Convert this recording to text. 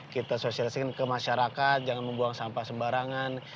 kita sosialisasikan ke masyarakat jangan membuang sampah sembarangan